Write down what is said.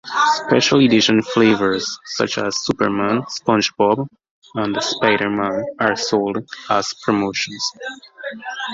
Special edition flavors, such as Superman, SpongeBob and Spider-Man, are sold as promotions.